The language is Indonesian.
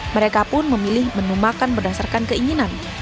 mereka pun memilih menu makan berdasarkan keinginan